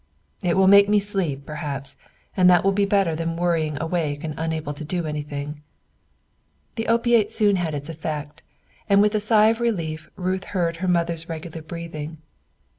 "It will make me sleep, perhaps; and that will be better than worrying awake and unable to do anything." The opiate soon had its effect; and with a sigh of relief Ruth heard her mother's regular breathing.